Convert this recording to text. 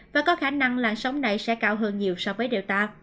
và có khả năng làn sóng này sẽ cao hơn nhiều so với delta